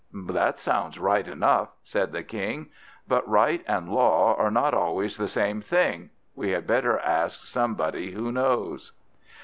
"That sounds right enough," said the King, "but right and law are not always the same thing. We had better ask somebody who knows."